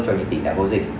cho những tỉnh đã có dịch